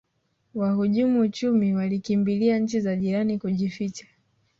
wahujumu uchumi walikimbilia nchi za jirani kujificha